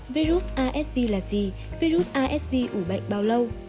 virus asv là gì virus asv ủ bệnh bao lâu